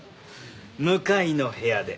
向かいの部屋で。